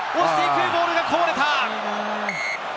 ボールがこぼれた。